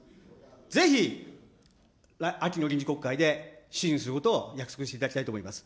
ぜひ秋の臨時国会で審議することを約束していただきたいと思います。